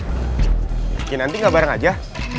oke nanti gabareng aja